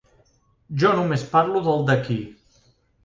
Jo només parlo del d’aquí.